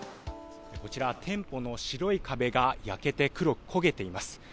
こちら、店舗の白い壁が焼けて黒く焦げています。